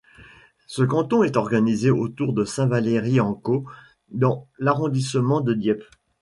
Ce canton est organisé autour de Saint-Valery-en-Caux dans l'arrondissement de Dieppe.